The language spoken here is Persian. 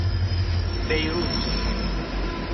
بیروت